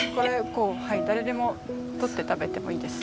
誰でも取って食べてもいいです。